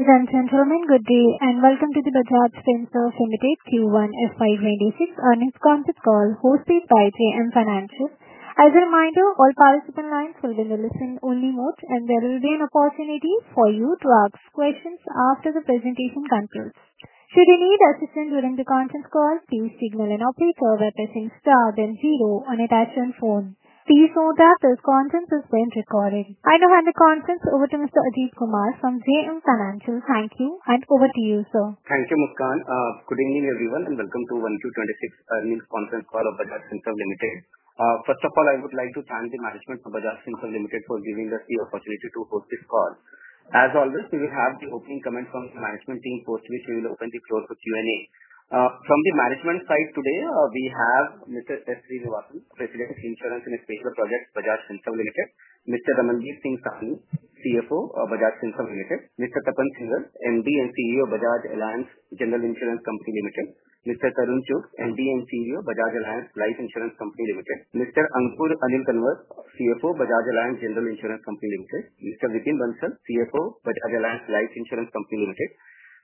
Ladies and gentlemen, good day and welcome to the Bajaj Finser Q1 FY 2026, earnings conference call hosted by JM Financial. As a reminder, all participant lines will be in the listen-only mode, and there will be an opportunity for you to ask questions after the presentation concludes. Should you need assistance during the conference call, please signal an operator by pressing star then zero on a dash and phone. Please note that this conference is being recorded. I now hand the conference over to Mr. Ajit Kumar from JM Financial. Thank you, and over to you, sir. Thank you, Muskan. Good evening, everyone, and welcome to Q1 FY 2026 earnings conference call of Bajaj Finserv Limited. First of all, I would like to thank the management of Bajaj Finserv Limited for giving us the opportunity to host this call. As always, we will have the opening comments from the management team post, which we will open the floor for Q&A. From the management side today, we have Mr. S. Sreenivasan, President of Insurance and Special Projects, Bajaj Finserv Limited; Mr. Ramandeep Singh Sahni, CFO of Bajaj Finserv Limited; Mr. Tapan Singhel, MD and CEO of Bajaj Allianz General Insurance Company Limited; Mr. Tarun Chugh, MD and CEO of Bajaj Allianz Life Insurance Company Limited; Mr. Anckur Anil Kanwar, CFO of Bajaj Allianz General Insurance Company Limited; Mr. Vipin Bansal, CFO of Bajaj Allianz Life Insurance Company Limited;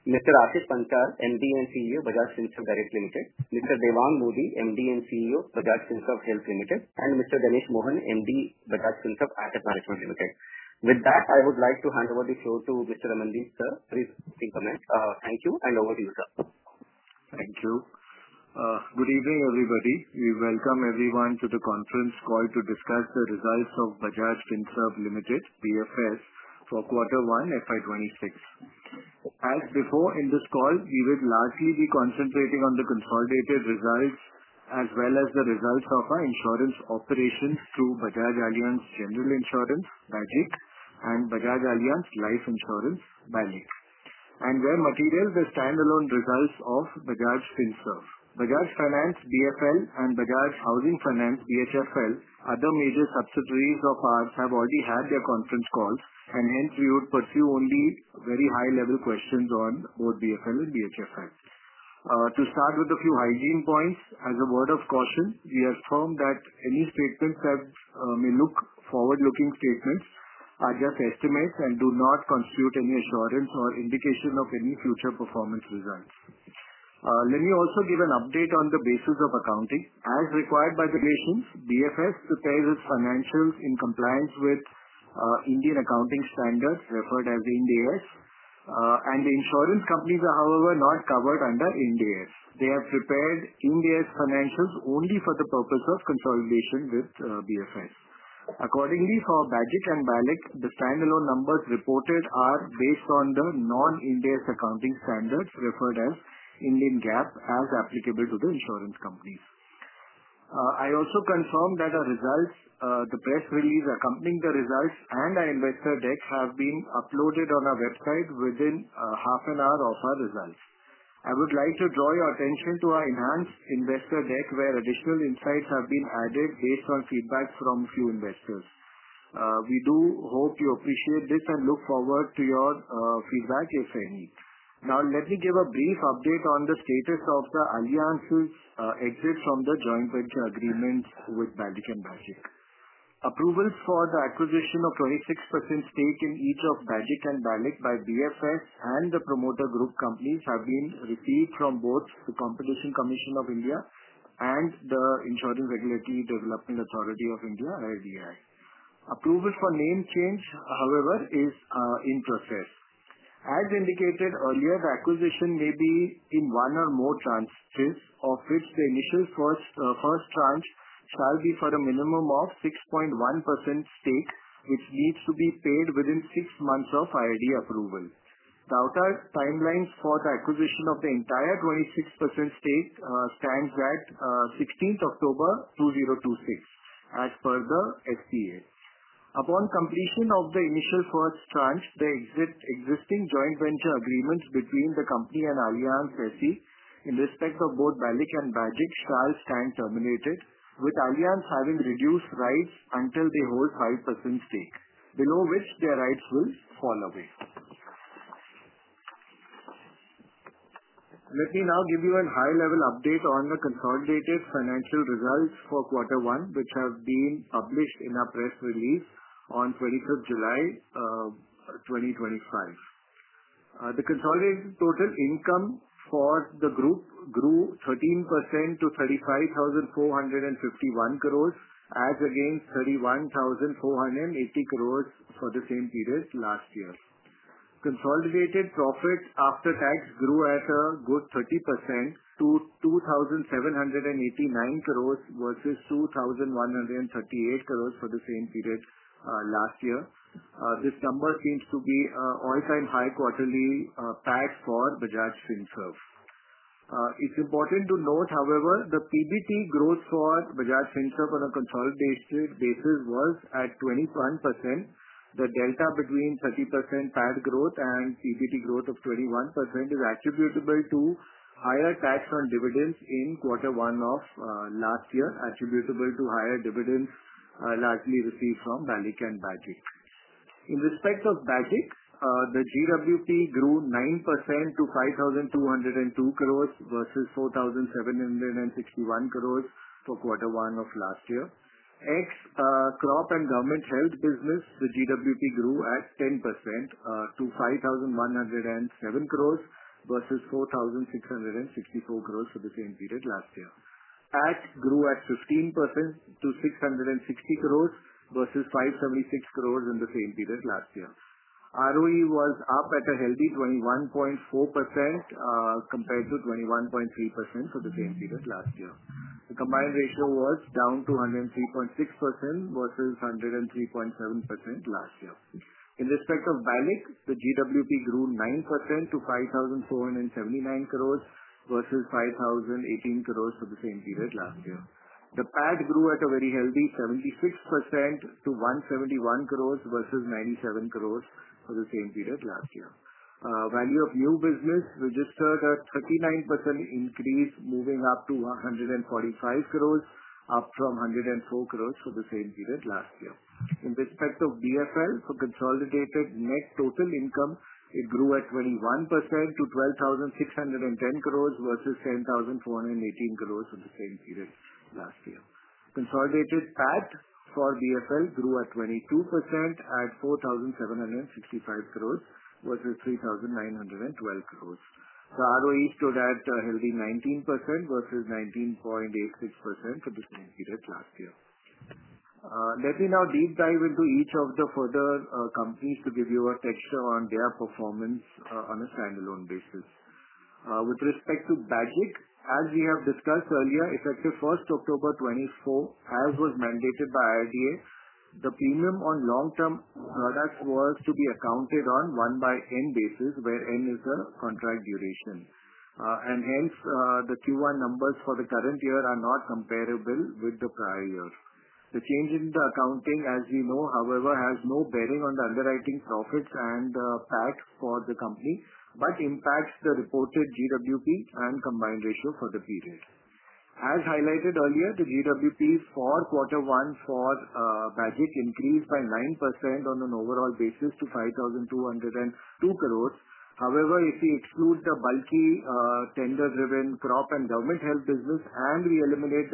Mr. Ashish Panchal, MD and CEO of Bajaj Finserv Direct Limited; Mr.Devang Mody, MD and CEO of Bajaj Finserv Health Limited; and Mr. Ganesh Mohan, MD of Bajaj Finserv Asset Management Limited. With that, I would like to hand over the floor to Mr. Ramandeep, sir. Please take the comments. Thank you, and over to you, sir. Thank you. Good evening, everybody. We welcome everyone to the conference call to discuss the results of Bajaj Finserv Limited, BFS, for Quarter 1 FY 2026. As before in this call, we will largely be concentrating on the consolidated results as well as the results of our insurance operations through Bajaj Allianz General Insurance (BAGIC), Bajaj Allianz Life Insurance (BALIC), and their material standalone results of Bajaj Finserv. Bajaj Finance (BFL), and Bajaj Housing Finance (BHFL), other major subsidiaries of ours have already had their conference calls, and hence we would pursue only very high-level questions on both BFL and BHFL. To start with a few hygiene points, as a word of caution, we affirm that any statements that may look like forward-looking statements are just estimates and do not constitute any assurance or indication of any future performance results. Let me also give an update on the basis of accounting. As required by the regulations, BFS prepares its financials in compliance with Indian accounting standard referred as Ind AS. The insurance companies are, however, not covered under Ind AS. They have prepared Ind AS financials only for the purpose of consolidation with BFS. Accordingly, for BAGIC and BALIC, the standalone numbers reported are based on the non-Ind AS accounting standards referred as Indian GAAP as applicable to the insurance companies. I also confirm that the press release accompanying the results and our investor deck have been uploaded on our website within half an hour of our results. I would like to draw your attention to our enhanced investor deck where additional insights have been added based on feedback from a few investors. We do hope you appreciate this and look forward to your feedback if any. Now, let me give a brief update on the status of Allianz's exit from the joint venture agreements with BAGIC and BALIC. Approvals for the acquisition of 26% stake in each of BAGIC and BALIC by BFS and the promoter group companies have been received from both the Competition Commission of India and the Insurance Regulatory and Development Authority of India (IRDAI). Approval for name change, however, is in process. As indicated earlier, the acquisition may be in one or more tranches, of which the initial first tranche shall be for a minimum of 6.1% stake, which needs to be paid within six months of IRDAI approval. The outside timelines for the acquisition of the entire 26% stake stands at 16th October 2026, as per the SPA. Upon completion of the initial first tranche, the existing joint venture agreements between the company and Allianz SE in respect of both BAGIC and BALIC shall stand terminated, with Allianz having reduced rights until they hold 5% stake, below which their rights will fall away. Let me now give you a high-level update on the consolidated financial results for Quarter 1, which have been published in a press release on 25th July 2025. The consolidated total income for the group grew 13% to 35,451 crore, as against 31,480 crore for the same period last year. Consolidated profit after tax grew at a good 30% to 2,789 crore vs. 2,138 crore for the same period last year. This number seems to be an all-time high quarterly PAT for Bajaj Finserv. It's important to note, however, the PBT growth for Bajaj Finserv on a consolidated basis was at 21%. The delta between 30% PAT growth and PBT growth of 21% is attributable to higher tax on dividends in Quarter 1 of last year, attributable to higher dividends largely received from BAGIC and BALIC. In respect of BAGIC, the GWP grew 9% to 5,202 crore vs. 4,761 crore for Quarter 1 of last year. Ex-crop and government health business, the GWP grew at 10% to 5,107 crore vs. 4,664 crore for the same period last year. Tax grew at 15% to 660 crore vs. 576 crore in the same period last year. ROE was up at a healthy 21.4%, compared to 21.3% for the same period last year. The combined ratio was down to 103.6% vs. 103.7% last year. In respect of Bajaj Allianz Life Insurance Company Limited, the GWP grew 9% to 5,479 crore vs. 5,018 crore for the same period last year. The PAT grew at a very healthy 76% to 171 crore vs. 97 crore for the same period last year. Value of new business registered a 39% increase, moving up to 145 crore, up from 104 crore for the same period last year. In respect of Bajaj Finance Limited, for consolidated net total income, it grew at 21% to 12,610 crore vs. 10,418 crore for the same period last year. Consolidated PAT for Bajaj Finance Limited grew at 22% at 4,765 crore vs. 3,912 crore. The ROE stood at a healthy 19% vs. 19.86% for the same period last year. Let me now deep dive into each of the further companies to give you a texture on their performance on a standalone basis. With respect to BAGIC, as we have discussed earlier, effective 1st October 2024, as was mandated by IRDAI, the premium on long-term products was to be accounted on one-by-N basis, where N is the contract duration. Hence, the Q1 numbers for the current year are not comparable with the prior year. The change in the accounting, as we know, however, has no bearing on the underwriting profits and PAT for the company, but impacts the reported GWP and combined ratio for the period. As highlighted earlier, the GWP for Quarter 1 for BAGIC increased by 9% on an overall basis to 5,202 crore. However, if we exclude the bulky tender-driven crop and government health business and we eliminate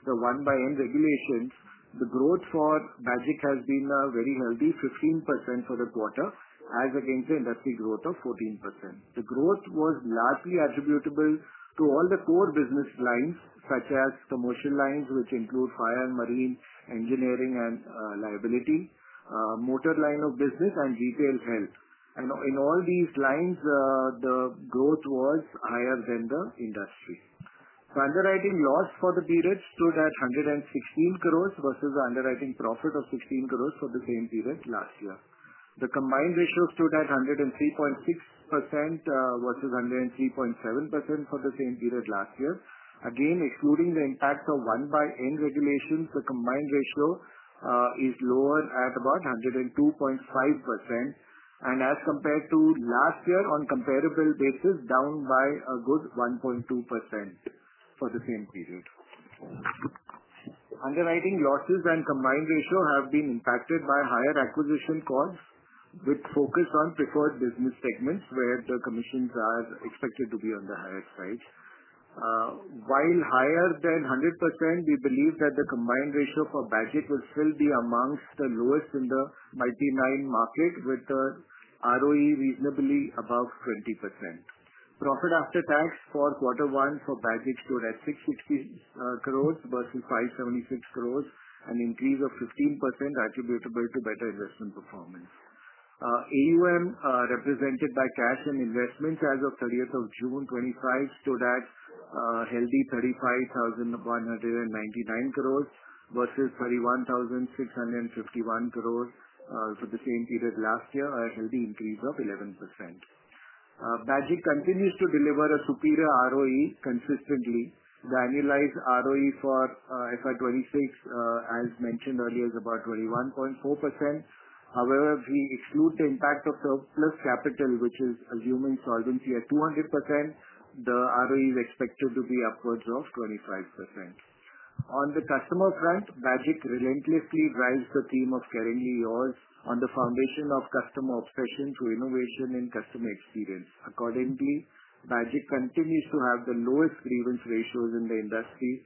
the impact of the one-by-N regulations, the growth for BAGIC has been very healthy, 15% for the quarter, as against the industry growth of 14%. The growth was largely attributable to all the core business lines, such as commercial lines, which include Fire and marine engineering and liability, motor line of business, and retail health. In all these lines, the growth was higher than the industry. The underwriting loss for the period stood at 116 crore vs. the underwriting profit of 16 crore for the same period last year. The combined ratio stood at 103.6% vs. 103.7% for the same period last year. Excluding the impact of one-by-N regulations, the combined ratio is lower at about 102.5%. As compared to last year, on a comparable basis, down by a good 1.2% for the same period. Underwriting losses and combined ratio have been impacted by higher acquisition costs, with focus on preferred business segments, where the commissions are expected to be on the higher side. While higher than 100%, we believe that the combined ratio for BAGIC will still be amongst the lowest in the multi-line market, with the ROE reasonably above 20%. Profit after tax for Quarter 1 for BAGIC stood at 660 crore vs. 576 crore, an increase of 15% attributable to better investment performance. AUM, represented by cash and investments, as of 30th of June 2025, stood at a healthy 35,199 crore vs. 31,651 crore for the same period last year, a healthy increase of 11%. BAGIC continues to deliver a superior ROE consistently. The annualized ROE for FY 2026, as mentioned earlier, is about 21.4%. However, if we exclude the impact of surplus capital, which is assuming solvency at 200%, the ROE is expected to be upwards of 25%. On the customer front, BAGIC relentlessly drives the theme of caringly yours on the foundation of customer obsession through innovation in customer experience. Accordingly, BAGIC continues to have the lowest grievance ratios in the industry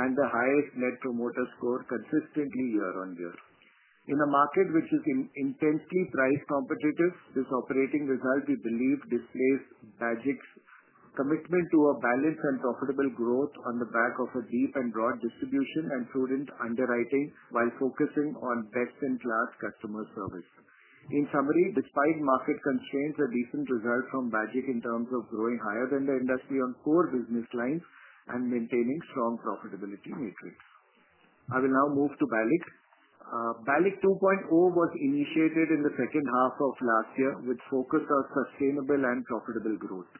and the highest net promoter score consistently year-on-year. In a market which is intensely price competitive, this operating result, we believe, displays BAGIC's commitment to a balanced and profitable growth on the back of a deep and broad distribution and prudent underwriting while focusing on best-in-class customer service. In summary, despite market constraints, a decent result from BAGIC in terms of growing higher than the industry on core business lines and maintaining strong profitability metrics. I will now move to BALIC. BALIC 2.0 was initiated in the second half of last year with focus on sustainable and profitable growth.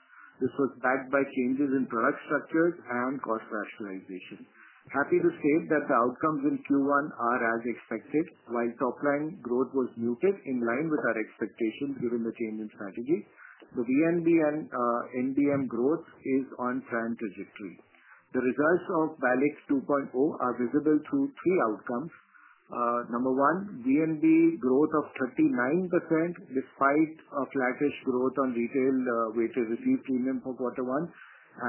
This was backed by changes in product structures and cost rationalization. Happy to state that the outcomes in Q1 are as expected, while top-line growth was muted in line with our expectations given the change in strategy. The VNB and NBM growth is on a trend trajectory. The results of BALIC 2.0 are visible through three outcomes. Number one, VNB growth of 39% despite a flattish growth on retail weighted received premium for Quarter 1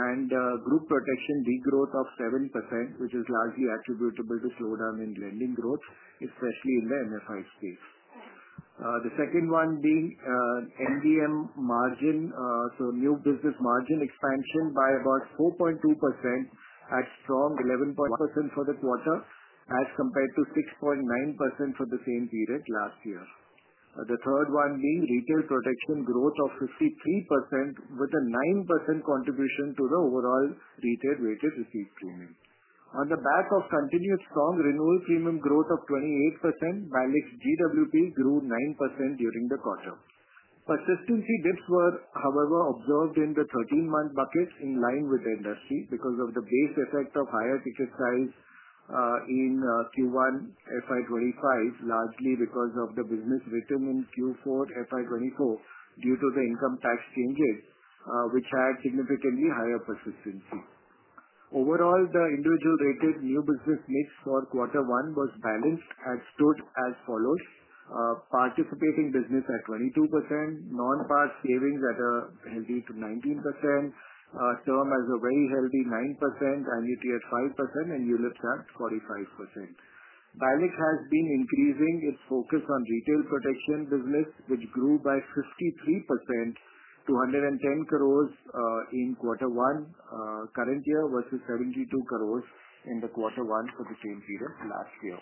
and group protection degrowth of 7%, which is largely attributable to slowdown in lending growth, especially in the MFI space. The second one being NBM from new business margin expansion by about 4.2% at strong 11.1% for the quarter as compared to 6.9% for the same period last year. The third one being retail protection growth of 53% with a 9% contribution to the overall retail weighted received premium. On the back of continued strong renewal premium growth of 28%, Bajaj's GWP grew 9% during the quarter. Persistency dips were, however, observed in the 13-month bucket in line with the industry because of the base effect of higher ticket size. In Q1 FY 2025, largely because of the business written in Q4 FY 2024 due to the income tax changes, which had significantly higher persistency. Overall, the individual rated new business mix for Quarter 1 was balanced and stood as follows. Participating business at 22%, non-par savings at a healthy 19%. Term as a very healthy 9%, annuity at 5%, and ULIPs at 45%. BALIC has been increasing its focus on retail protection business, which grew by 53% to 110 crore in Quarter 1 current year vs. 72 crore in the Quarter 1 for the same period last year.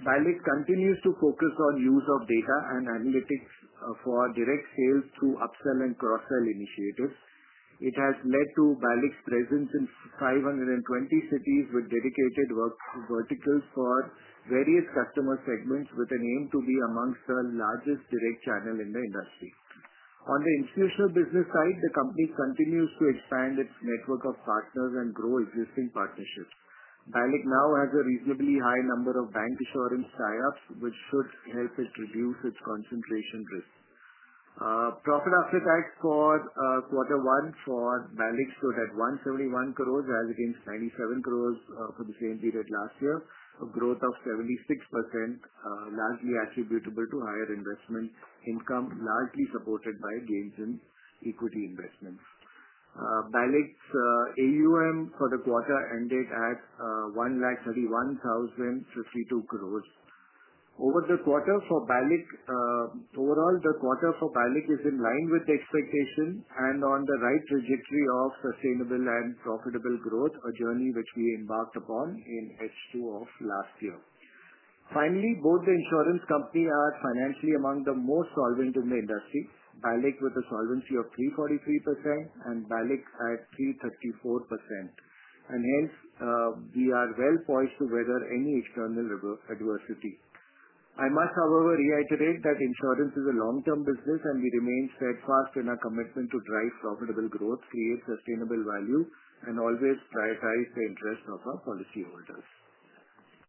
BALIC continues to focus on use of data and analytics for direct sales through upsell and cross-sell initiatives. It has led to BALIC's presence in 520 cities with dedicated verticals for various customer segments, with an aim to be amongst the largest direct channel in the industry. On the institutional business side, the company continues to expand its network of partners and grow existing partnerships. BALIC now has a reasonably high number of bancassurance tie-ups, which should help it reduce its concentration risk. Profit after tax for Quarter 1 for BALIC stood at 171 crore as against 97 crore for the same period last year, a growth of 76%, largely attributable to higher investment income, largely supported by gains in equity investments. BALIC's AUM for the quarter ended at 131,052 crore. Overall, the quarter for BALIC is in line with expectations and on the right trajectory of sustainable and profitable growth, a journey which we embarked upon in H2 of last year. Finally, both the insurance companies are financially among the most solvent in the industry, BAGIC with a solvency of 343% and BALIC at 334%. We are well poised to weather any external adversity. I must, however, reiterate that insurance is a long-term business, and we remain steadfast in our commitment to drive profitable growth, create sustainable value, and always prioritize the interests of our policyholders.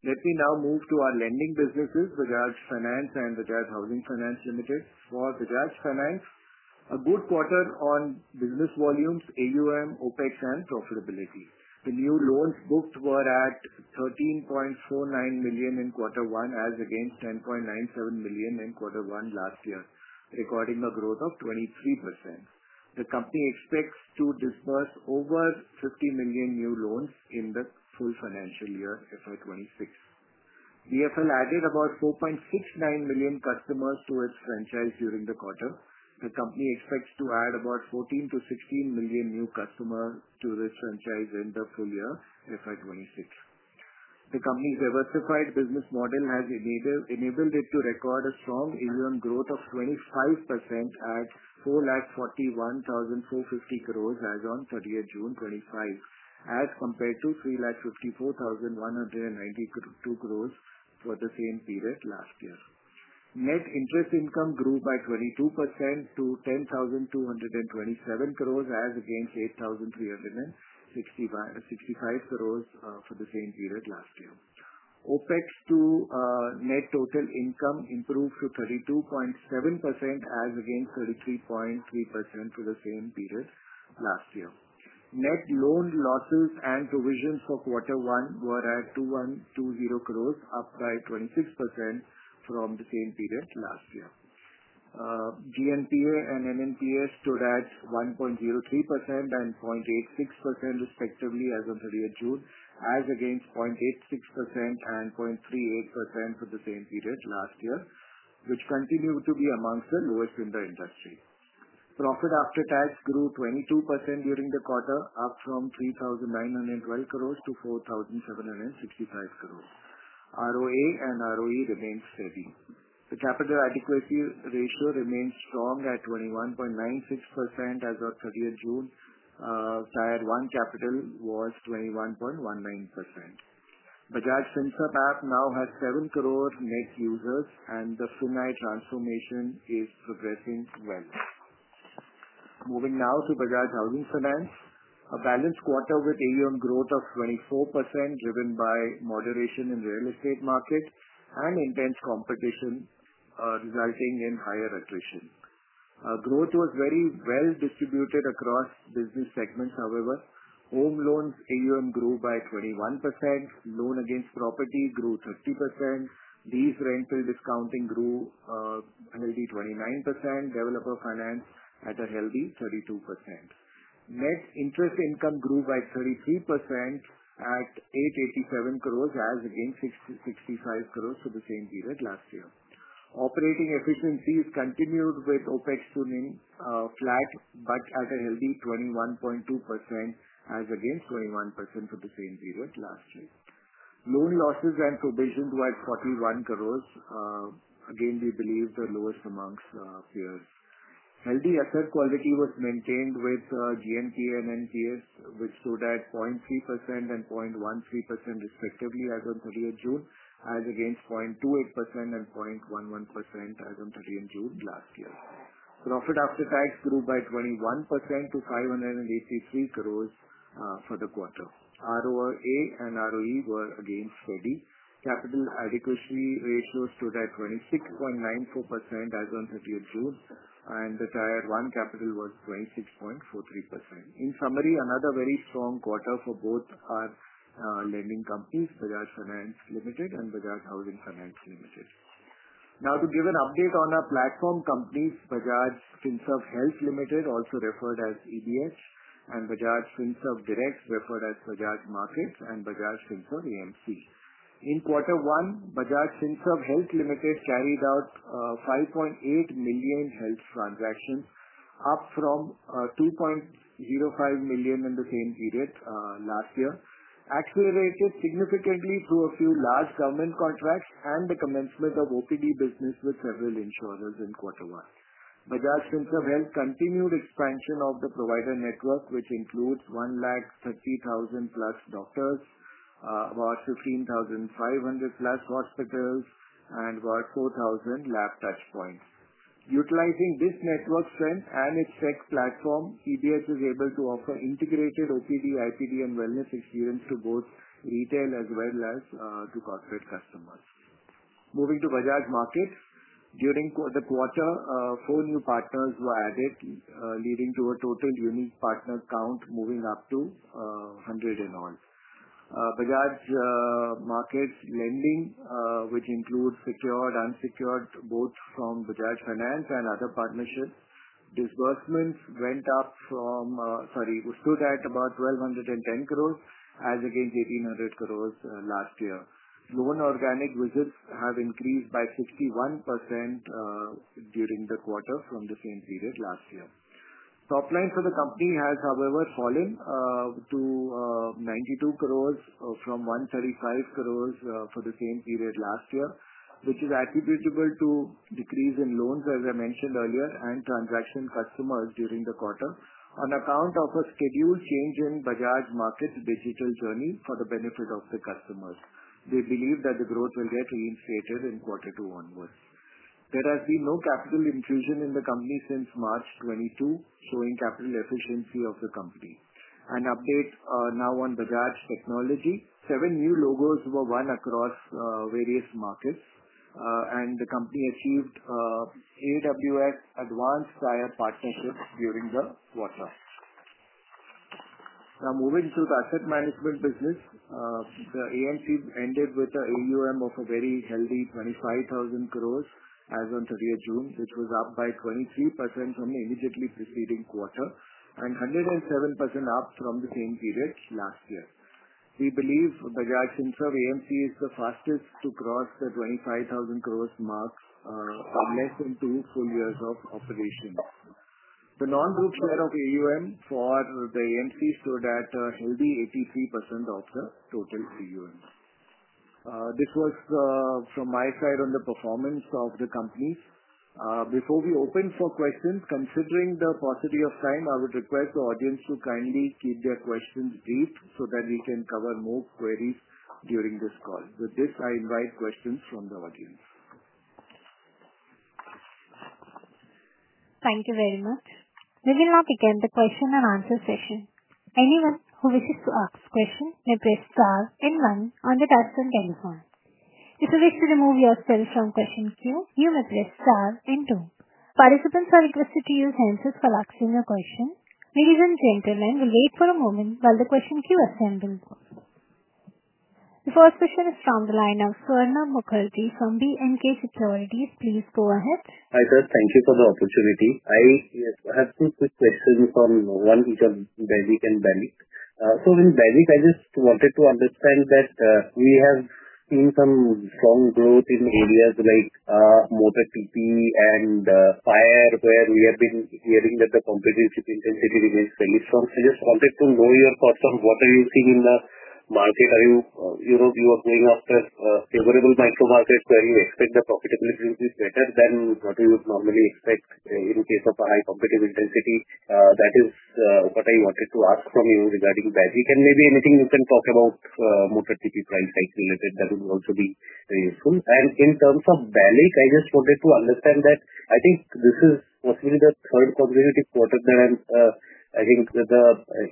Let me now move to our lending businesses, Bajaj Finance and Bajaj Housing Finance Limited. For Bajaj Finance, a good quarter on business volumes, AUM, OpEx, and profitability. The new loans booked were at 13.49 million in Quarter 1 as against 10.97 million in Quarter 1 last year, recording a growth of 23%. The company expects to disburse over 50 million new loans in the full financial year FY 2026. BFL added about 4.69 million customers to its franchise during the quarter. The company expects to add about 14-16 million new customers to this franchise in the full year FY 2026. The company's diversified business model has enabled it to record a strong AUM growth of 25% at 441,450 crore as on 30th June 2025, as compared to 354,192 crore for the same period last year. Net interest income grew by 22% to 10,227 crore as against 8,365 crore for the same period last year. OPEX to net total income improved to 32.7% as against 33.3% for the same period last year. Net loan losses and provisions for Quarter 1 were at 2,120 crore, up by 26% from the same period last year. GNPA and NNPA stood at 1.03% and 0.86% respectively as of 30th June, as against 0.86% and 0.38% for the same period last year, which continued to be amongst the lowest in the industry. Profit after tax grew 22% during the quarter, up from 3,912 crore to 4,765 crore. ROA and ROE remained steady. The capital adequacy ratio remained strong at 21.96% as of 30th June. Tier 1 capital was 21.19%. Bajaj Finserv App now has 7 crore net users, and the Finserv transformation is progressing well. Moving now to Bajaj Housing Finance, a balanced quarter with AUM growth of 24% driven by moderation in the real estate market and intense competition, resulting in higher attrition. Growth was very well distributed across business segments, however. Home loans AUM grew by 21%. Loan against property grew 30%. Lease rental discounting grew a healthy 29%. Developer finance at a healthy 32%. Net interest income grew by 33% at 887 crore as against 665 crore for the same period last year. Operating efficiencies continued with OPEX-to-NII flat, but at a healthy 21.2% as against 21% for the same period last year. Loan losses and provisions were at 41 crore rupees. Again, we believe the lowest amongst peers. Healthy asset quality was maintained with GNPA and NNPA, which stood at 0.3% and 0.13% respectively as of 30th June, as against 0.28% and 0.11% as of 30th June last year. Profit after tax grew by 21% to 583 crore for the quarter. ROA and ROE were again steady. Capital adequacy ratios stood at 26.94% as of 30th June, and the Tier 1 capital was 26.43%. In summary, another very strong quarter for both our lending companies, Bajaj Finance Limited and Bajaj Housing Finance Limited. Now, to give an update on our platform companies, Bajaj Finserv Health Limited, also referred as BFH, and Bajaj Finserv Direct, referred as Bajaj Markets and Bajaj Finserv AMC. In Quarter 1, Bajaj Finserv Health Limited carried out 5.8 million health transactions, up from 2.05 million in the same period last year, accelerated significantly through a few large government contracts and the commencement of OPD business with several insurers in Quarter 1. Bajaj Finserv Health continued expansion of the provider network, which includes 130,000+ doctors, about 15,500+ hospitals, and about 4,000 lab touchpoints. Utilizing this network strength and its tech platform, EBH is able to offer integrated OPD, IPD, and wellness experience to both retail as well as to corporate customers. Moving to Bajaj Markets, during the quarter, four new partners were added, leading to a total unique partner count moving up to 100 in all. Bajaj Markets lending, which includes secured, unsecured, both from Bajaj Finance and other partnerships, disbursements went up from, sorry, stood at about 1,210 crore as against 1,800 crore last year. Loan organic visits have increased by 61% during the quarter from the same period last year. Top line for the company has, however, fallen to 92 crore from 135 crore for the same period last year, which is attributable to decrease in loans, as I mentioned earlier, and transaction customers during the quarter on account of a scheduled change in Bajaj Markets digital journey for the benefit of the customers. They believe that the growth will get reinstated in Quarter 2 onwards. There has been no capital infusion in the company since March 2022, showing capital efficiency of the company. An update now on Bajaj Technology. Seven new logos were won across various markets, and the company achieved AWS Advanced Tier Partnerships during the quarter. Now, moving to the asset management business. The AMC ended with an AUM of a very healthy 25,000 crore as on 30th June, which was up by 23% from the immediately preceding quarter and 107% up from the same period last year. We believe Bajaj Finserv AMC is the fastest to cross the 25,000 crore mark in less than two full years of operation. The non-group share of AUM for the AMC stood at a healthy 83% of the total AUM. This was from my side on the performance of the companies. Before we open for questions, considering the paucity of time, I would request the audience to kindly keep their questions brief so that we can cover more queries during this call. With this, I invite questions from the audience. Thank you very much. We will now begin the question and answer session. Anyone who wishes to ask a question may press star and one on the touchscreen telephone. If you wish to remove yourself from question queue, you may press star and two. Participants are requested to use hands if collecting a question. Ladies and gentlemen, we'll wait for a moment while the question queue assembles. The first question is from the line of Swarna Mukherjee from B&K Securities. Please go ahead. Hi sir, thank you for the opportunity. I have two quick questions on one each of BAGIC and BALIC. In BAGIC, I just wanted to understand that we have seen some strong growth in areas like motor TP and Fire, where we have been hearing that the competition intensity remains fairly strong. I just wanted to know your thoughts on what are you seeing in the market. Are you, you know, you are going after favorable micro markets where you expect the profitability to be better than what you would normally expect in case of a high competitive intensity? That is what I wanted to ask from you regarding BAGIC. Maybe anything you can talk about motor TP price hike related, that would also be very useful. In terms of BALIC, I just wanted to understand that I think this is possibly the third consecutive quarter that I'm, I think the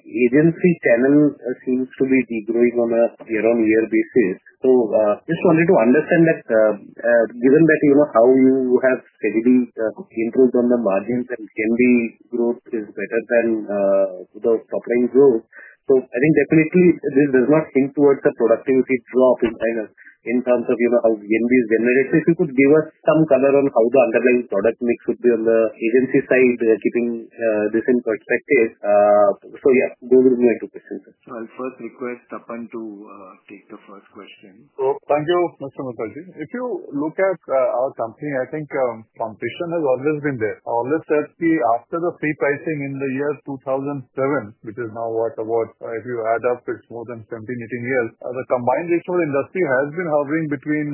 agency channel seems to be growing on a year-on-year basis. Just wanted to understand that. Given that you know how you have steadily improved on the margins and VNB growth is better than the top line growth. I think definitely this does not hint towards a productivity drop in terms of, you know, how VNB is generated. If you could give us some color on how the underlying product mix should be on the agency side, keeping this in perspective. Yeah, those would be my two questions. I'll first request Tapan to take the first question. Thank you, Mr. Mukherjee. If you look at our company, I think competition has always been there. I'll just say that after the free pricing in the year 2007, which is now what, about, if you add up, it's more than 17-18 years, the combined rate of the industry has been hovering between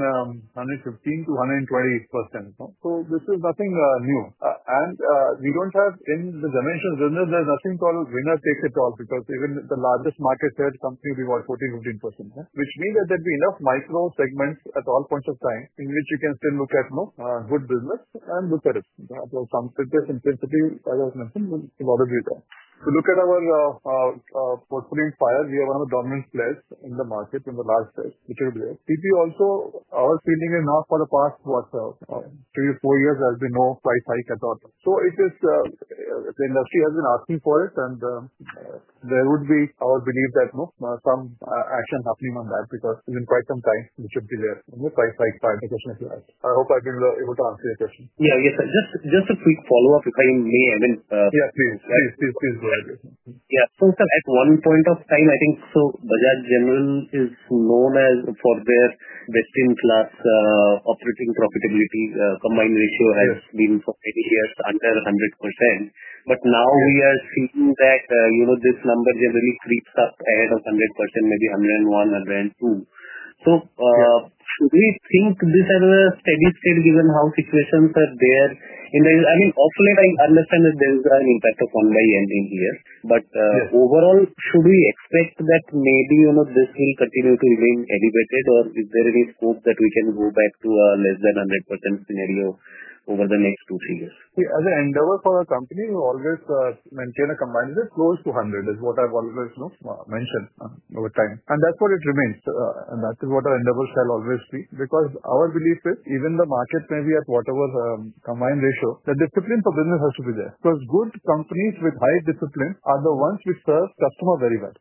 115%-120%. This is nothing new. We don't have in the dimensions business, there's nothing called winner takes it all because even the largest market share company, we got 14%-15%, which means that there'd be enough micro segments at all points of time in which you can still look at good business and look at it. Some strengths and strengths, as I've mentioned, a lot of these are to look at our portfolio in Fire, we are one of the dominant players in the market in the last year, which is rare. TP also, our feeling is not for the past, what, three-four years, as we know, price hike at all. The industry has been asking for it, and there would be our belief that some action happening on that because within quite some time, which would be there, price hike part of the question if you ask. I hope I've been able to answer your question. Yeah, yes. Just a quick follow-up, if I may, I mean. Yeah, please, please, please, please go ahead. Yeah. At one point of time, I think Bajaj General is known for their best-in-class operating profitability. Combined ratio has been for many years under 100%. Now we are seeing that this number generally creeps up ahead of 100%, maybe 101, 102. Should we think this as a steady state given how situations are there? I mean, hopefully, I understand that there is an impact of one by ending here. Overall, should we expect that maybe this will continue to remain elevated, or is there any scope that we can go back to a less than 100% scenario over the next two, three years? The endeavor for our company is to always maintain a combined ratio close to 100, is what I've always mentioned over time. That is what it remains. That is what our endeavor shall always be because our belief is even the market may be at whatever combined ratio, the discipline for business has to be there. Good companies with high discipline are the ones which serve customers very well.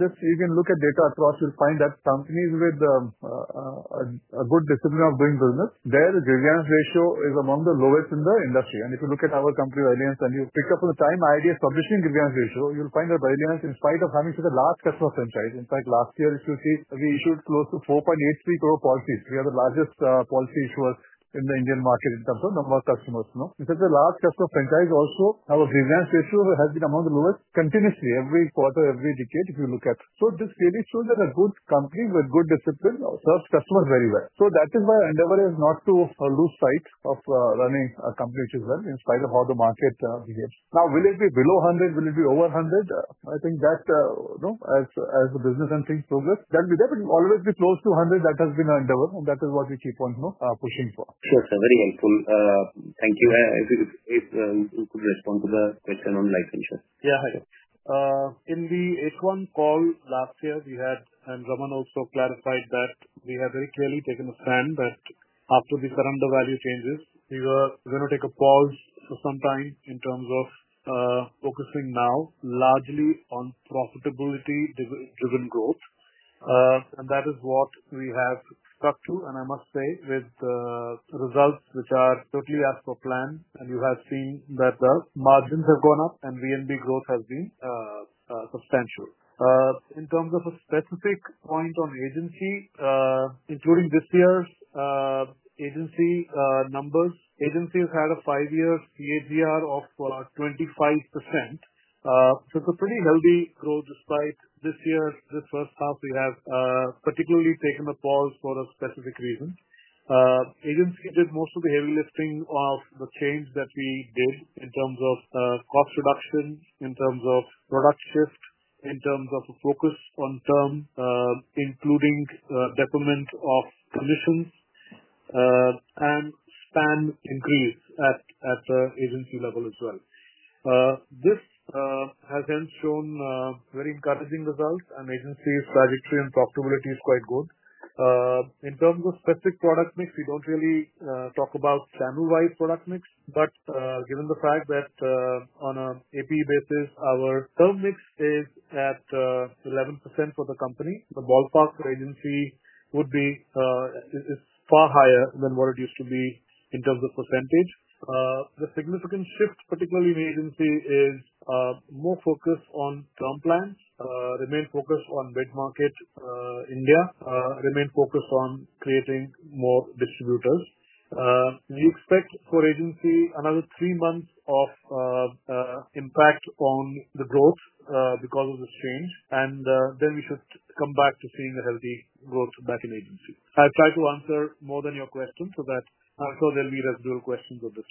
If you can look at data across, you'll find that companies with a good discipline of doing business, their GWP ratio is among the lowest in the industry. If you look at our company, and you pick up on the time IRDAI is publishing GWP ratio, you'll find that in spite of having such a large customer franchise—in fact, last year, if you see, we issued close to 4.83 crore policies. We are the largest policy issuers in the Indian market in terms of number of customers. In fact, the large customer franchise also, our GWP ratio has been among the lowest continuously every quarter, every decade, if you look at it. This clearly shows that a good company with good discipline serves customers very well. That is why our endeavor is not to lose sight of running a company which is well in spite of how the market behaves. Now, will it be below 100? Will it be over 100? I think that as the business and things progress, that will always be close to 100. That has been our endeavor, and that is what we keep on pushing for. Sure, sir. Very helpful. Thank you. If you could respond to the question on licensure. Yeah, hi. In the H1 call last year, we had, and Ramandeep also clarified that we have very clearly taken a stand that after these surrender value changes, we are going to take a pause for some time in terms of focusing now largely on profitability-driven growth. That is what we have stuck to, and I must say, with results which are totally as per plan. You have seen that the margins have gone up, and VNB growth has been substantial. In terms of a specific point on agency, including this year's agency numbers, agency has had a five-year CAGR of 25%. So it's a pretty healthy growth despite this year, this first half, we have particularly taken a pause for a specific reason. Agency did most of the heavy lifting of the change that we did in terms of cost reduction, in terms of product shift, in terms of a focus on term, including deployment of commissions and span increase at the agency level as well. This has then shown very encouraging results, and agency's trajectory and profitability is quite good. In terms of specific product mix, we don't really talk about channel-wide product mix. But given the fact that on an AP basis, our term mix is at 11% for the company, the ballpark for agency would be far higher than what it used to be in terms of percentage. The significant shift, particularly in agency, is more focus on term plans, remain focused on mid-market India, remain focused on creating more distributors. We expect for agency another three months of impact on the growth because of this change, and then we should come back to seeing a healthy growth back in agency. I've tried to answer more than your questions so that I'm sure there'll be residual questions of this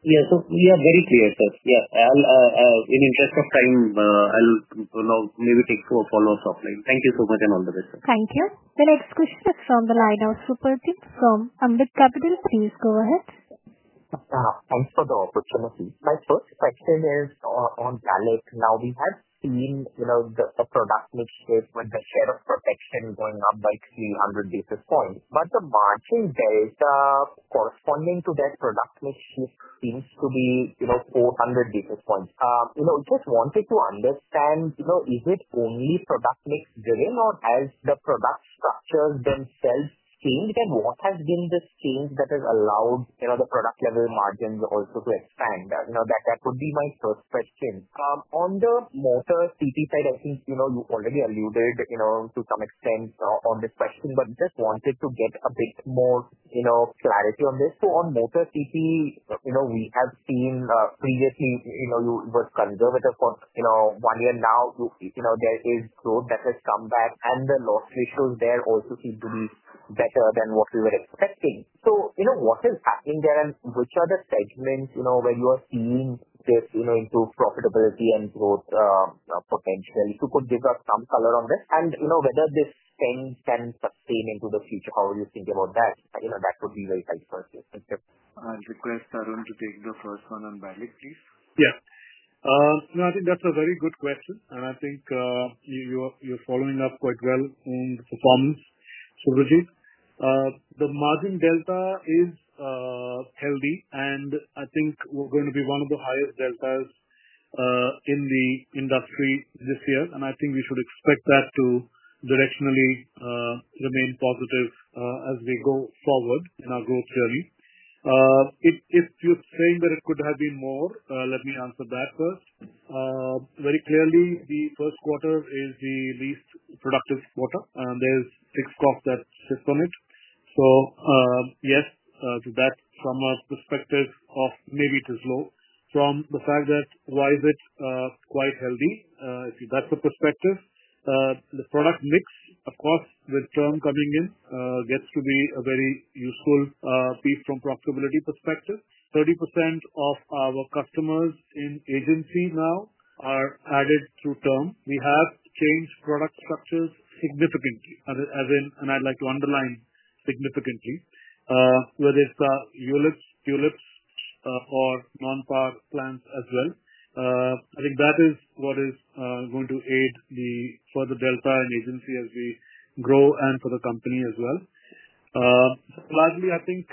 line. Yeah, we are very clear, sir. Yeah. In interest of time, I'll now maybe take four follow-ups offline. Thank you so much and all the best, sir. Thank you. The next question is from the line of Supratim from Ambit Capital. Please go ahead. Thanks for the opportunity. My first question is on BALIC. Now, we have seen the product mix shape with the share of protection going up by 300 basis points. But the margin delta corresponding to that product mix shape seems to be 400 basis points. Just wanted to understand, is it only product mix driven or has the product structures themselves changed? And what has been the change that has allowed the product level margins also to expand? That would be my first question. On the motor TP side, I think you already alluded to some extent on this question, but just wanted to get a bit more clarity on this. On motor TP, we have seen previously you were conservative for one year. Now there is growth that has come back, and the loss ratios there also seem to be better than what we were expecting. What is happening there, and which are the segments where you are seeing this into profitability and growth potential? If you could give us some color on this and whether this spend can sustain into the future, how are you thinking about that? That would be very helpful. Thank you. I'll request Tarun to take the first one on BALIC, please. Yeah. No, I think that's a very good question. And I think you're following up quite well on the performance. So, Ajit, the margin delta is healthy, and I think we're going to be one of the highest deltas. In the industry this year. I think we should expect that to directionally remain positive as we go forward in our growth journey. If you're saying that it could have been more, let me answer that first. Very clearly, the first quarter is the least productive quarter, and there are six cops that sit on it. Yes, to that, from a perspective of maybe it is low. From the fact that why is it quite healthy, if that's the perspective. The product mix, of course, with term coming in, gets to be a very useful piece from a profitability perspective. 30% of our customers in agency now are added through term. We have changed product structures significantly, as in, and I'd like to underline, significantly. Whether it's the ULIPs, ULIPs or non-par plans as well. I think that is what is going to aid the further delta in agency as we grow and for the company as well. Largely, I think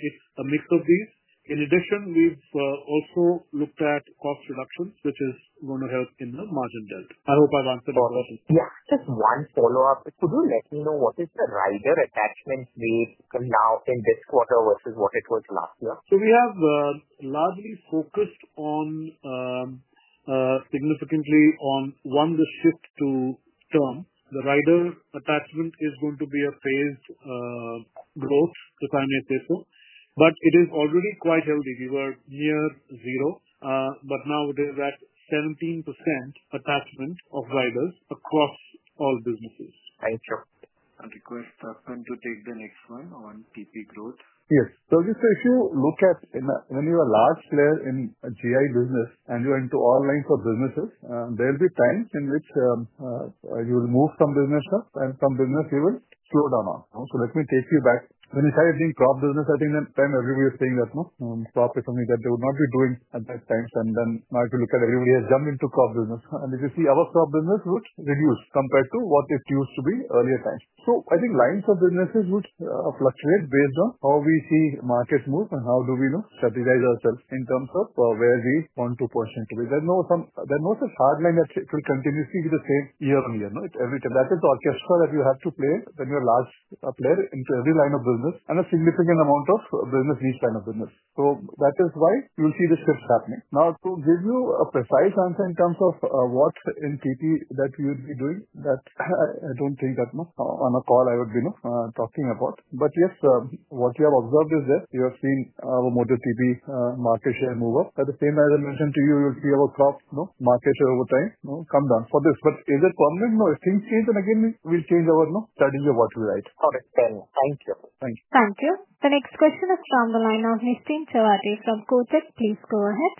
it's a mix of these. In addition, we've also looked at cost reductions, which is going to help in the margin delta. I hope I've answered your question. Yeah. Just one follow-up. Could you let me know what is the rider attachment rate now in this quarter vs. what it was last year? We have largely focused on, significantly on, one, the shift to term. The rider attachment is going to be a phased growth, if I may say so. It is already quite healthy. We were near zero, but now it is at 17% attachment of riders across all businesses. Thank you. I'll request Tapan to take the next one on TP growth. Yes. Just if you look at when you are a large player in GI business and you are into all lines of businesses, there will be times in which you will move some business up and some business even slow down on. Let me take you back. When we started doing crop business, I think at the time everybody was saying that crop is something that they would not be doing at that time. Now if you look at it, everybody has jumped into crop business. If you see our crop business, it would reduce compared to what it used to be earlier times. I think lines of businesses would fluctuate based on how we see markets move and how we strategize ourselves in terms of where we want to push into it. There is no such hard line that it will continuously be the same year-on-year. That is the orchestra that you have to play when you're a large player into every line of business and a significant amount of business, each line of business. That is why you'll see the shifts happening. Now, to give you a precise answer in terms of what in TP that we would be doing, that I do not think that on a call I would be talking about. Yes, what you have observed is that you have seen our motor TP market share move up. At the same time, as I mentioned to you, you will see our crop market share over time come down for this. Is it permanent? No. If things change and again, we will change our strategy of what we write. Understand. Thank you. Thank you. Thank you. The next question is from the line of Nisreen Jawati from Kotak. Please go ahead.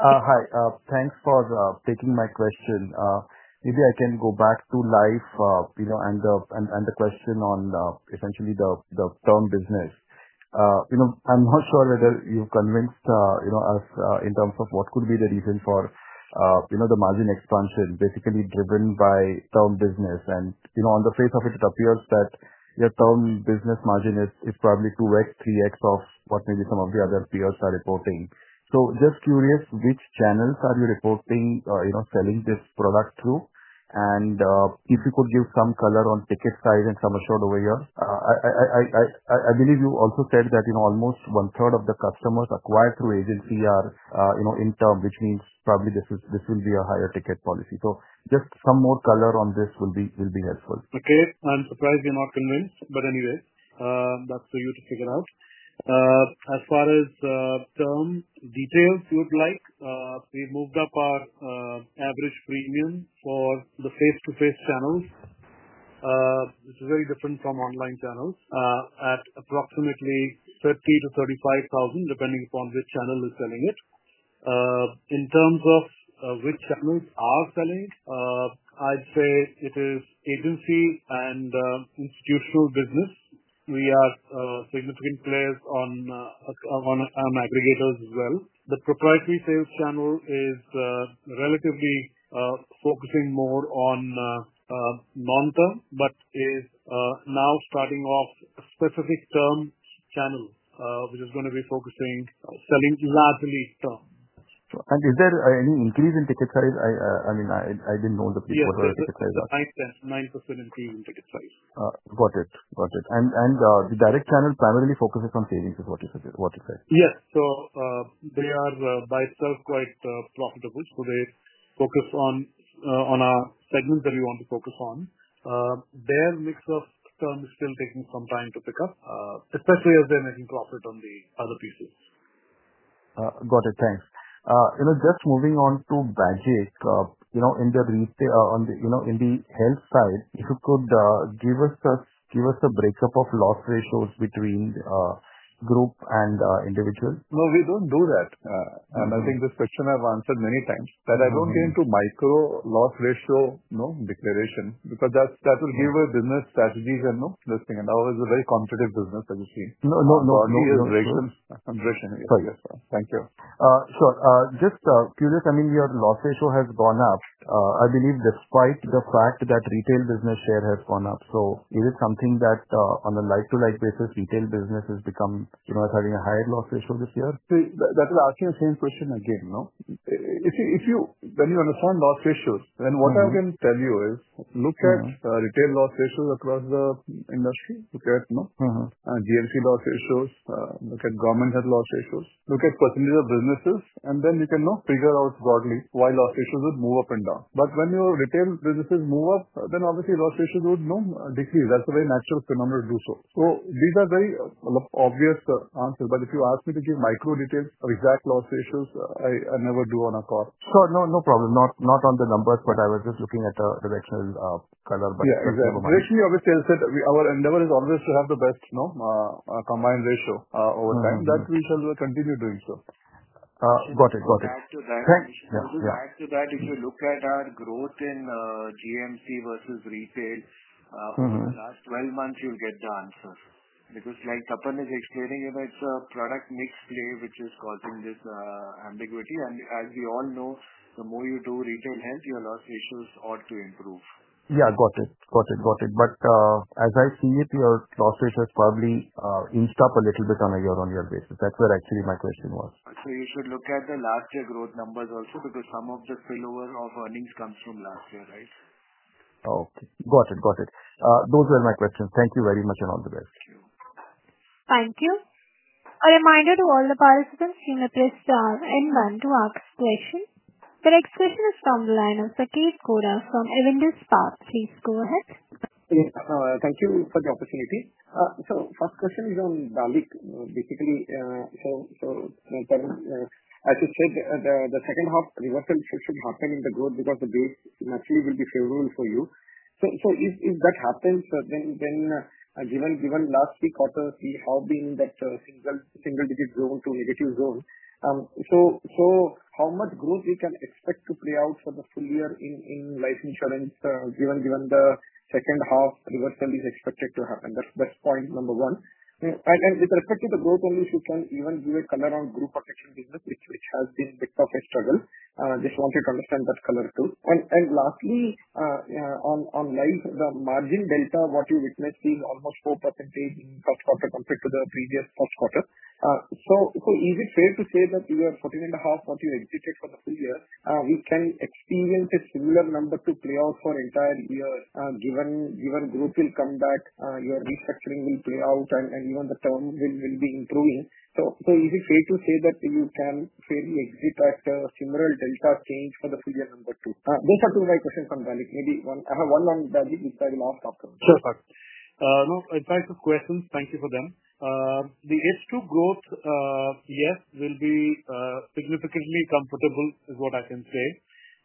Hi. Thanks for taking my question. Maybe I can go back to life and the question on essentially the term business. I am not sure whether you have convinced us in terms of what could be the reason for the margin expansion, basically driven by term business. On the face of it, it appears that your term business margin is probably 2x-3x of what maybe some of the other peers are reporting. Just curious, which channels are you reporting, selling this product through? If you could give some color on ticket size and sum assured over here. I believe you also said that almost one-third of the customers acquired through agency are in term, which means probably this will be a higher ticket policy. Just some more color on this will be helpful. Okay. I am surprised you are not convinced, but anyway, that is for you to figure out. As far as term details, you would like, we moved up our average premium for the face-to-face channels. It is very different from online channels at approximately 30,000-35,000, depending upon which channel is selling it. In terms of which channels are selling, I would say it is agency and institutional business. We are significant players on aggregators as well. The proprietary sales channel is relatively focusing more on non-term, but is now starting off specific term channels, which is going to be focusing selling largely term. Is there any increase in ticket size? I mean, I did not know that before what the ticket size was. 9% increase in ticket size. Got it. Got it. The direct channel primarily focuses on savings, is what you said. Yes. They are by itself quite profitable. They focus on our segments that we want to focus on. Their mix of term is still taking some time to pick up, especially as they are making profit on the other pieces. Got it. Thanks. Just moving on to BAGIC. In the health side, if you could give us a breakup of loss ratios between group and individual. No, we do not do that. I think this question I have answered many times, that I do not get into micro loss ratio declaration because that will give us business strategies and listing. Ours is a very competitive business, as you see. No, no, no. Understood. Understood. Thank you. Sure. Just curious, I mean, your loss ratio has gone up, I believe, despite the fact that retail business share has gone up. Is it something that on a like-to-like basis, retail business has become having a higher loss ratio this year? That is asking the same question again. If you understand loss ratios, then what I can tell you is look at retail loss ratios across the industry. Look at GMC loss ratios. Look at government health loss ratios. Look at percentage of businesses, and then you can figure out broadly why loss ratios would move up and down. When your retail businesses move up, then obviously loss ratios would decrease. That is a very natural phenomenon to do so. These are very obvious answers. If you ask me to give micro details of exact loss ratios, I never do on a call. Sure. No problem. Not on the numbers, but I was just looking at the directional color. You gave them a minute. Yeah. Initially, obviously, I said our endeavor is always to have the best combined ratio over time. That we shall continue doing so. Got it. Got it. Thanks. Yeah. If you look at our growth in GMC vs. retail over the last 12 months, you will get the answer. Like Apan is explaining, it is a product mix play, which is causing this ambiguity. As we all know, the more you do retail health, your loss ratios ought to improve. Yeah. Got it. Got it. Got it. As I see it, your loss ratio has probably eased up a little bit on a year-on-year basis. That is where actually my question was. You should look at the last year growth numbers also because some of the spillover of earnings comes from last year, right? Okay. Got it. Got it. Those were my questions. Thank you very much and all the best. Thank you. Thank you. A reminder to all the participants to press star and then to ask questions. The next question is from the line of Sanketh Godha from Avendus Spark. Please go ahead. Thank you for the opportunity. First question is on BALIC. Basically, as you said, the second half reversal should happen in the growth because the base naturally will be favorable for you. If that happens, then given last three quarters, we have been that single-digit zone to negative zone. How much growth we can expect to play out for the full year in life insurance, given the second half reversal is expected to happen? That is point number one. With respect to the growth only, if you can even give a color on group protection business, which has been a bit of a struggle, just wanted to understand that color too. Lastly, on life, the margin delta, what you witnessed being almost 4% in first quarter compared to the previous first quarter. Is it fair to say that you are 14.5, what you exited for the full year? We can experience a similar number to play out for the entire year, given group will come back, your restructuring will play out, and even the term will be improving. Is it fair to say that you can fairly exit at a similar delta change for the full year number two? Those are two of my questions on BALIC. Maybe I have one on BAGIC, which I will ask afterward No, it's nice questions. Thank you for them. The H2 growth, yes, will be significantly comfortable, is what I can say.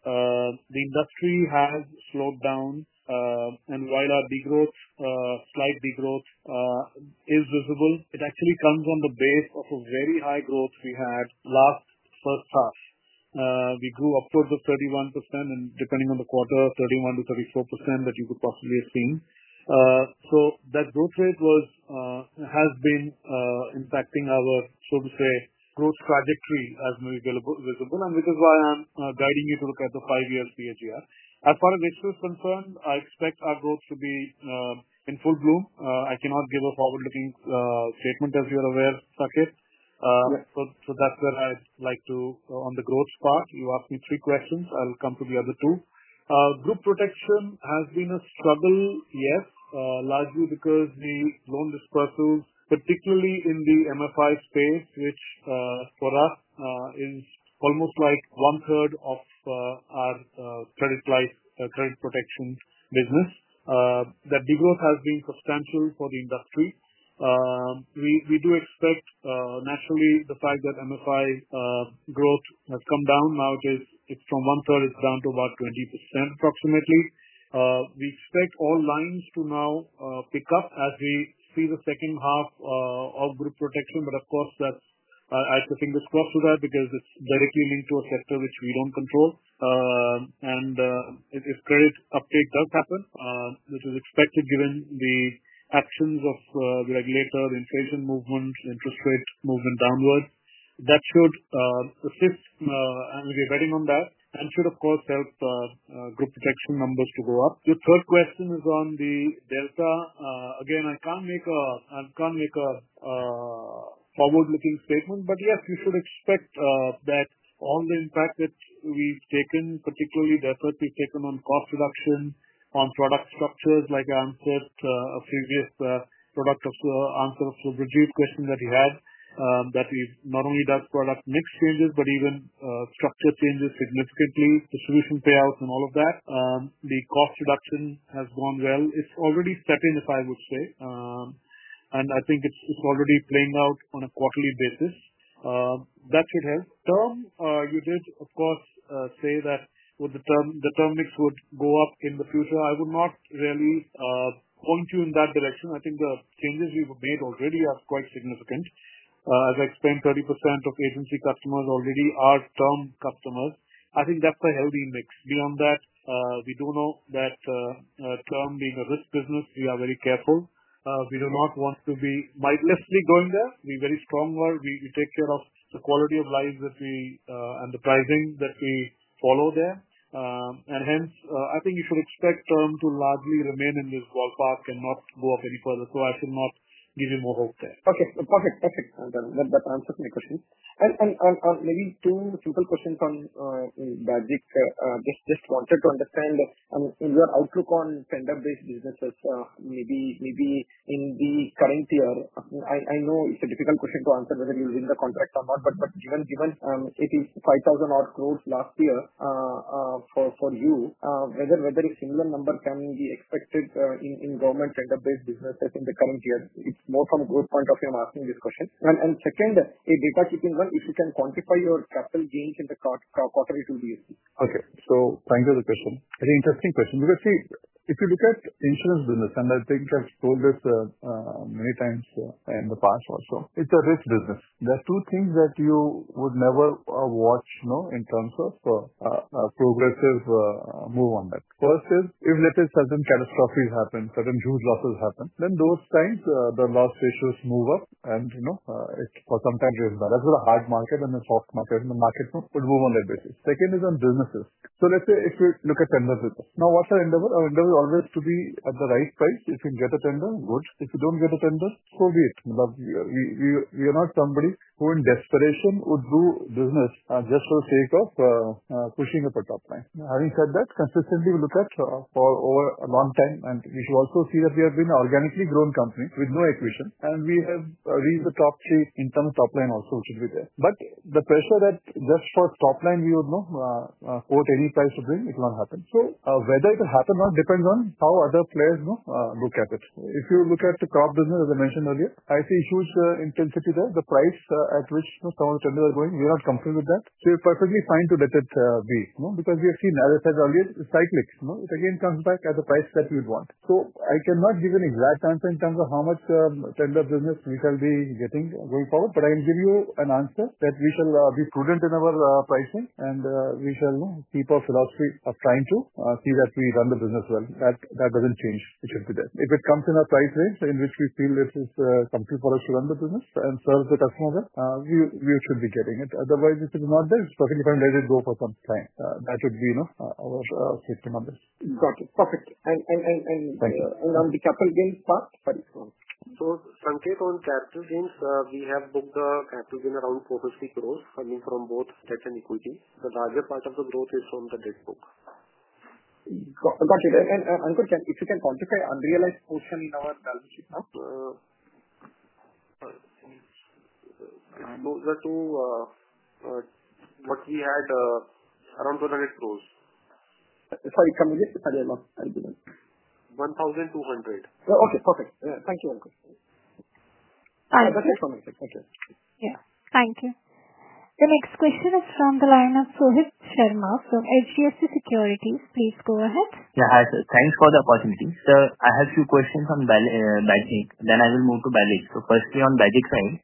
The industry has slowed down. While our slight degrowth is visible, it actually comes on the base of a very high growth we had last first half. We grew upwards of 31%, and depending on the quarter, 31-34% that you could possibly have seen. That growth rate has been impacting our, so to say, growth trajectory as may be visible, which is why I'm guiding you to look at the five-year CAGR. As far as H2 is concerned, I expect our growth to be in full bloom. I cannot give a forward-looking statement, as you're aware, Sanketh. That's where I'd like to, on the growth part, you asked me three questions. I'll come to the other two. Group protection has been a struggle, yes, largely because the loan dispersals, particularly in the MFI space, which for us is almost like one-third of our credit-like credit protection business. That degrowth has been substantial for the industry. We do expect, naturally, the fact that MFI growth has come down. Now it's from one-third down to about 20%, approximately. We expect all lines to now pick up as we see the second half of group protection. Of course, I have to fingers crossed for that because it's directly linked to a sector which we don't control. If credit uptake does happen, which is expected given the actions of the regulator, the inflation movement, interest rate movement downward, that should assist and we'll be betting on that, and should, of course, help group protection numbers to go up. The third question is on the delta. Again, I can't make a forward-looking statement, but yes, you should expect that all the impact that we've taken, particularly the effort we've taken on cost reduction, on product structures, like I answered a previous product answer of the brief question that you had, that we've not only done product mix changes, but even structure changes significantly, distribution payouts, and all of that. The cost reduction has gone well. It's already setting, as I would say. I think it's already playing out on a quarterly basis. That should help. Term, you did, of course, say that the term mix would go up in the future. I would not really point you in that direction. I think the changes we've made already are quite significant. As I explained, 30% of agency customers already are term customers. I think that's a healthy mix. Beyond that, we do know that term being a risk business, we are very careful. We do not want to be mindlessly going there. We're very strong. We take care of the quality of life and the pricing that we follow there. Hence, I think you should expect term to largely remain in this ballpark and not go up any further. I should not give you more hope there. Okay. Perfect. Perfect. That answers my question. Maybe two simple questions on BAGIC. Just wanted to understand your outlook on tender-based businesses. Maybe in the current year, I know it's a difficult question to answer whether you'll win the contract or not, but given 85,000-odd crore last year, for you, whether a similar number can be expected in government tender-based businesses in the current year, it's more from a growth point of view I'm asking this question. Second, a data-keeping one, if you can quantify your capital gains in the quarterly to the SBC. Okay. Thank you for the question. It's an interesting question. Because see, if you look at insurance business, and I think I've told this many times in the past also, it's a risk business. There are two things that you would never watch in terms of a progressive move on that. First is, if let's say certain catastrophes happen, certain huge losses happen, then those times the loss ratios move up, and for some time it goes down. That's where the hard market and the soft market and the market would move on that basis. Second is on businesses. Let's say if we look at tender business. Now, what's our endeavor? Our endeavor is always to be at the right price. If you can get a tender, good. If you don't get a tender, so be it. We are not somebody who, in desperation, would do business just for the sake of pushing up a top line. Having said that, consistently we look at for over a long time, and we should also see that we have been an organically grown company with no acquisition, and we have reached the top three in terms of top line also, which should be there. The pressure that just for top line, we would quote any price to bring, it will not happen. Whether it will happen or not depends on how other players look at it. If you look at the crop business, as I mentioned earlier, I see huge intensity there. The price at which some of the tenders are going, we are not comfortable with that. We're perfectly fine to let it be because we have seen, as I said earlier, it's cyclic. It again comes back at the price that we want. I cannot give an exact answer in terms of how much tender business we shall be getting going forward, but I can give you an answer that we shall be prudent in our pricing, and we shall keep our philosophy of trying to see that we run the business well. That doesn't change. It should be there. If it comes in our price range in which we feel it is comfortable for us to run the business and serve the customer well, we should be getting it. Otherwise, if it's not there, it's perfectly fine to let it go for some time. That would be our safety numbers. Got it. Perfect. On the capital gains part. Sorry. Sanketh, on capital gains, we have booked a capital gain around 450 crore coming from both debt and equity. The larger part of the growth is from the debt book. Got it. Anckur, if you can quantify unrealized portion in our balance sheet now. Those are to. What we had around INR 1200 crore. Sorry, come again? Sorry, I lost. I didn't. INR 1,200 crore. Okay. Perfect. Thank you, Anckur. That's it for me. Thank you. Yeah. Thank you. The next question is from the line of Shobhit Sharma from HDFC Securities. Please go ahead. Yeah. Hi. Thanks for the opportunity. I have a few questions on BAGIC. Then I will move to BALIC. Firstly, on BAGIC side,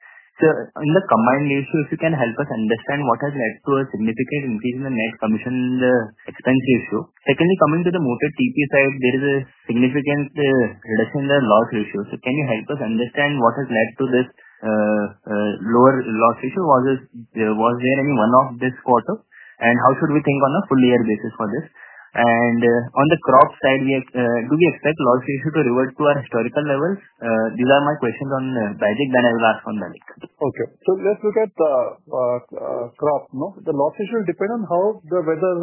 in the combined ratio, if you can help us understand what has led to a significant increase in the net commission and the expense ratio. Secondly, coming to the motor TP side, there is a significant reduction in the loss ratio. Can you help us understand what has led to this lower loss ratio? Was there any one-off this quarter? How should we think on a full-year basis for this? On the crop side, do we expect loss ratio to revert to our historical levels? These are my questions on BAGIC. Then I will ask on BALIC. Let's look at crop. The loss ratio will depend on how the weather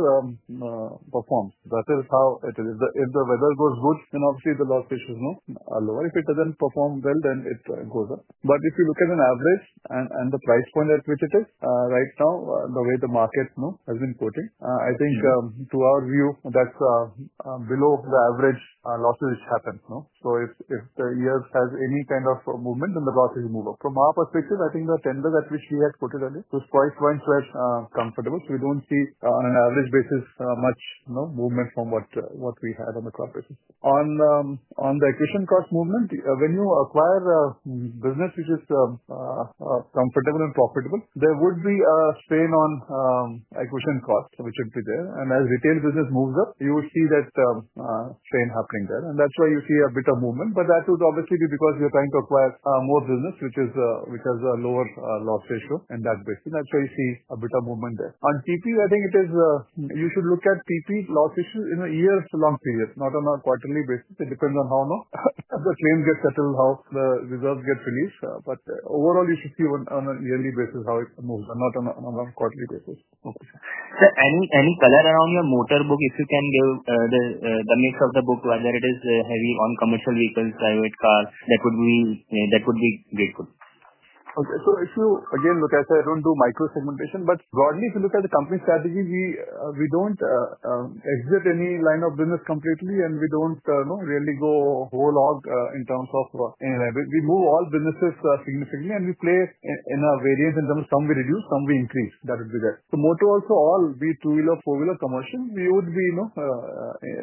performs. That is how it is. If the weather goes good, then obviously the loss ratios are lower. If it doesn't perform well, then it goes up. If you look at an average and the price point at which it is right now, the way the market has been quoting, I think to our view, that's below the average losses which happen. If the year has any kind of movement, then the losses move up. From our perspective, I think the tender at which we had quoted earlier was quite comfortable. We do not see on an average basis much movement from what we had on the crop basis. On the acquisition cost movement, when you acquire a business which is comfortable and profitable, there would be a strain on acquisition cost, which would be there. As retail business moves up, you would see that strain happening there. That is why you see a bit of movement, but that would obviously be because you are trying to acquire more business, which has a lower loss ratio in that basis. That is why you see a bit of movement there. On TP, I think you should look at TP loss issues in a year-long period, not on a quarterly basis. It depends on how the claims get settled, how the reserves get released. Overall, you should see on a yearly basis how it moves, not on a quarterly basis. Any color around your motor book, if you can give the mix of the book, whether it is heavy on commercial vehicles, private cars, that would be great for you. If you again look, as I said, I do not do micro-segmentation, but broadly, if you look at the company strategy, we do not exit any line of business completely, and we do not really go whole hog in terms of any level. We move all businesses significantly, and we play in a variance in terms of some we reduce, some we increase. That would be that. The motor also, all be two-wheeler, four-wheeler commercial, we would be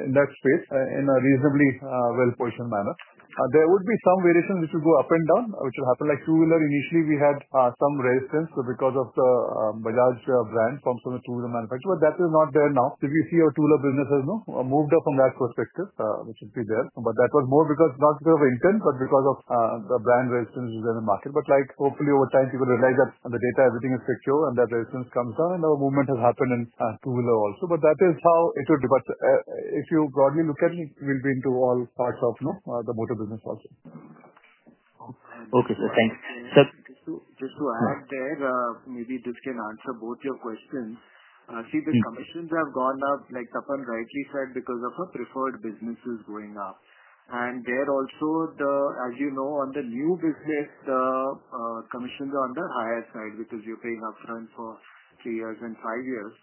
in that space in a reasonably well-positioned manner. There would be some variations which would go up and down, which would happen like two-wheeler. Initially, we had some resistance because of the Bajaj brand from some of the two-wheeler manufacturers, but that is not there now. If you see our two-wheeler business has moved up from that perspective, which would be there. That was more because not because of intent, but because of the brand resistance within the market. Hopefully, over time, people realize that the data, everything is secure, and that resistance comes down, and our movement has happened in two-wheeler also. That is how it would be. If you broadly look at it, we will be into all parts of the motor business also. Thanks. Just to add there, maybe this can answer both your questions. The commissions have gone up, like Tapan rightly said, because of our preferred businesses going up. There also, as you know, on the new business, the commissions are on the higher side because you are paying upfront for three years and five years.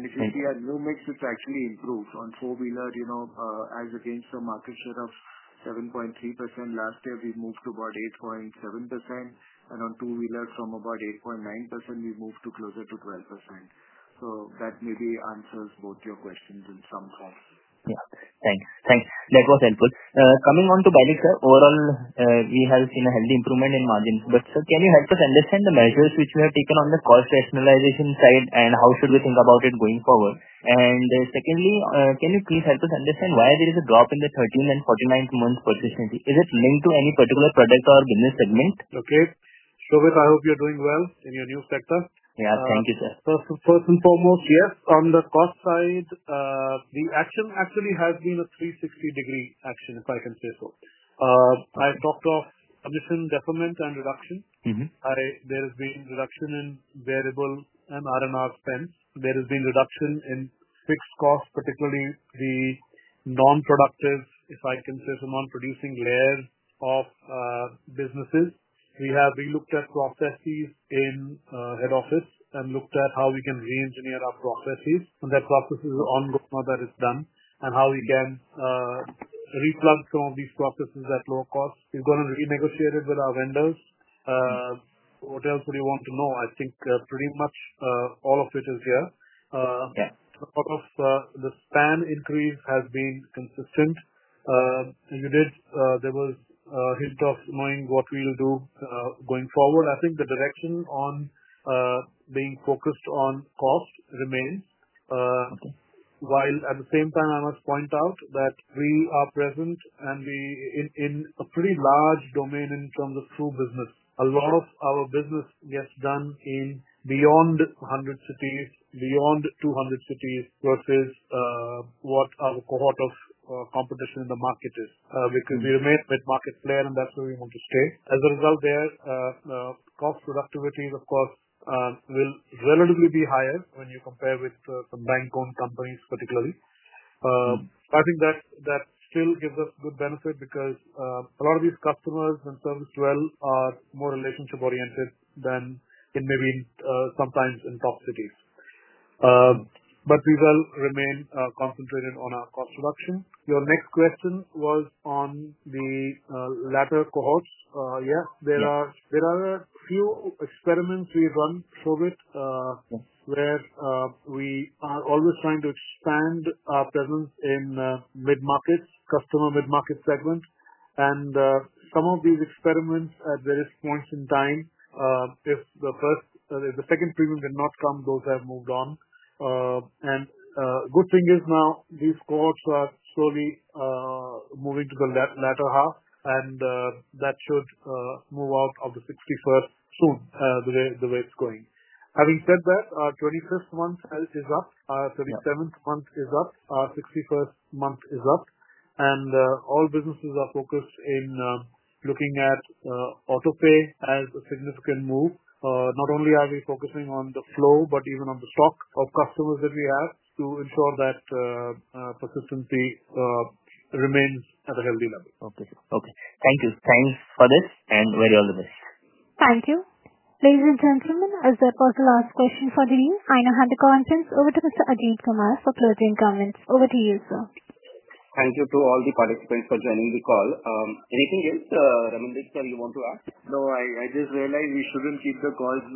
If you see our new mix, it has actually improved. On four-wheeler, as against the market share of 7.3% last year, we moved to about 8.7%. On two-wheeler, from about 8.9%, we moved closer to 12%. That maybe answers both your questions in some form. Yeah. Thanks. Thanks. That was helpful. Coming on to BALIC, sir, overall, we have seen a healthy improvement in margins. But sir, can you help us understand the measures which you have taken on the cost rationalization side, and how should we think about it going forward? Secondly, can you please help us understand why there is a drop in the 13th and 14th months' purchase? Is it linked to any particular product or business segment? Okay. Shobhit, I hope you're doing well in your new sector. Yeah. Thank you, sir. First and foremost, yes. On the cost side, the action actually has been a 360-degree action, if I can say so. I talked of commission deferment and reduction. There has been reduction in variable and R&R spends. There has been reduction in fixed costs, particularly the non-productive, if I can say so, non-producing layer of businesses. We looked at processes in head office and looked at how we can re-engineer our processes. That process is ongoing now that it's done, and how we can replug some of these processes at lower cost. We've gone and renegotiated with our vendors. What else would you want to know? I think pretty much all of it is here. A lot of the span increase has been consistent. There was a hint of knowing what we'll do going forward. I think the direction on being focused on cost remains. While at the same time, I must point out that we are present in a pretty large domain in terms of true business. A lot of our business gets done in beyond 100 cities, beyond 200 cities vs. what our cohort of competition in the market is. Because we remain a market player, and that's where we want to stay. As a result, there, cost productivity, of course, will relatively be higher when you compare with some bank-owned companies, particularly. I think that still gives us good benefit because a lot of these customers and service dwell are more relationship-oriented than maybe sometimes in top cities. We will remain concentrated on our cost reduction. Your next question was on the latter cohorts. Yes, there are a few experiments we run, Shobhit, where we are always trying to expand our presence in mid-markets, customer mid-market segments. Some of these experiments at various points in time, if the second premium did not come, those have moved on. The good thing is now these cohorts are slowly moving to the latter half, and that should move out of the 61st soon, the way it's going. Having said that, our 25th month is up. Our 37th month is up. Our 61st month is up. All businesses are focused in looking at autopay as a significant move. Not only are we focusing on the flow, but even on the stock of customers that we have to ensure that persistency remains at a healthy level. Okay. Okay. Thank you. Thanks for this and very all the best. Thank you. Ladies and gentlemen, as a personal last question for the week, I now hand the conference over to Mr. Ajit Kumar for closing comments. Over to you, sir. Thank you to all the participants for joining the call. Anything else, Ramandeep sir, you want to add? No, I just realized we should not keep the calls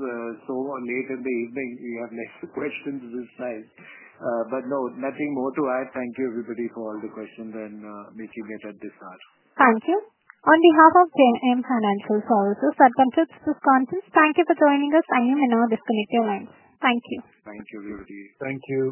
so late in the evening. We have less questions this time. No, nothing more to add. Thank you, everybody, for all the questions and making it at this hour. Thank you. On behalf of JM Financial, that completes this conference. Thank you for joining us, and you may now disconnect your lines. Thank you. Thank you, everybody. Thank you.